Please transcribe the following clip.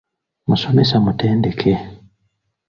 Musomesa mutendeke.